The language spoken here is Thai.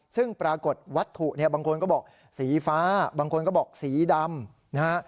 ซึ่งปรากฏวัตถุเนี่ยบางคนก็บอกสีฟ้าบางคนก็บอกสีดำนะฮะ